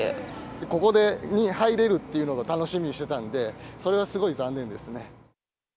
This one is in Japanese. ここに入れるっていうのが、楽しみにしてたので、それはすごい残念ですね。